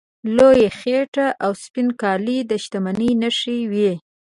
لویه خېټه او سپین کالي د شتمنۍ نښې وې.